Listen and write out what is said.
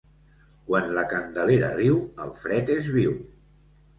Quan la Candelera riu el fred és viu.